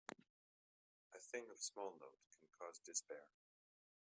A thing of small note can cause despair.